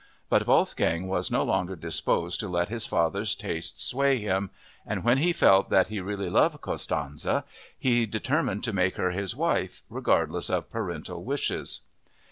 But Wolfgang was no longer disposed to let his father's tastes sway him and, when he felt that he really loved Constanze, he determined to make her his wife regardless of parental wishes.